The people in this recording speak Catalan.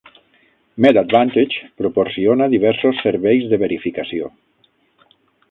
Med Advantage proporciona diversos serveis de verificació.